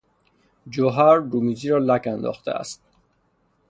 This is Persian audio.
جوهر، رومیزی را لک انداخته است.